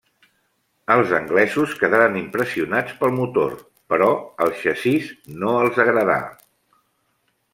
Els anglesos quedaren impressionats pel motor, però el xassís no els agradà.